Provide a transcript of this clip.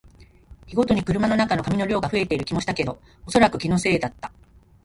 日ごとに車の中の紙の量が増えている気もしたけど、おそらく気のせいだった